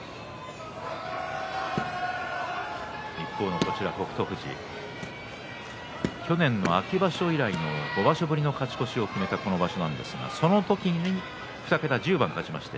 一方の北勝富士去年の秋場所以来の５場所ぶりの勝ち越しを決めた今場所なんですがその時に２桁１０番勝ちました。